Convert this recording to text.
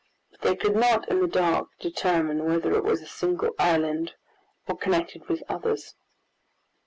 But they could not in the dark determine whether it was a single island, or connected with others.